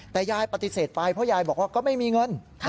แต่ยายปฏิเสธไปเพราะยายบอกว่าก็ไม่มีเงิน